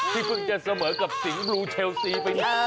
ที่เพิ่งจะเสมอกับสิงห์บลูเชลซีไป